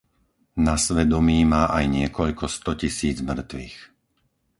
Na svedomí má aj niekoľko stotisíc mŕtvych.